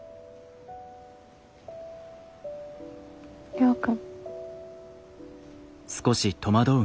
亮君。